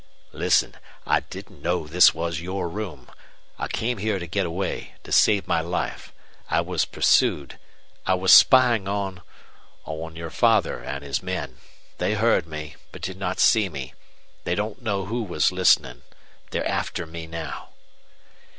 "Listen. I didn't know this was your room. I came here to get away to save my life. I was pursued. I was spying on on your father and his men. They heard me, but did not see me. They don't know who was listening. They're after me now."